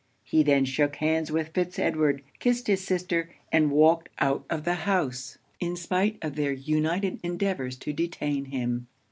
He then shook hands with Fitz Edward, kissed his sister, and walked out of the house, in spite of their united endeavours to detain him.